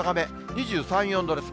２３、４度です。